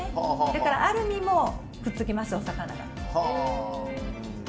だから、アルミもくっつきますお魚が。